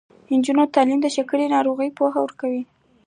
د نجونو تعلیم د شکرې ناروغۍ پوهه ورکوي.